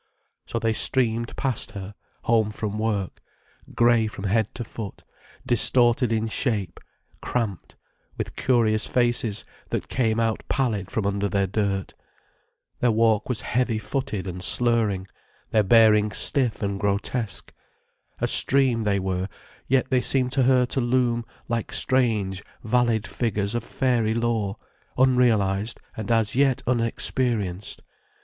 So they streamed past her, home from work—grey from head to foot, distorted in shape, cramped, with curious faces that came out pallid from under their dirt. Their walk was heavy footed and slurring, their bearing stiff and grotesque. A stream they were—yet they seemed to her to loom like strange, valid figures of fairy lore, unrealized and as yet unexperienced.